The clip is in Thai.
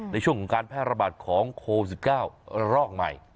ในช่วงของการแพร่ระบาดของโควิด๑๙ระรอกใหม่